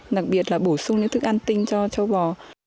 đặc biệt là bổ sung những thức ăn tinh cho châu bò